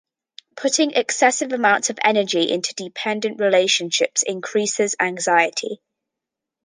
Putting excessive amounts of energy into dependent relationships increases anxiety.